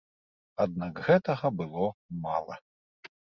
Аднак гэтага было мала.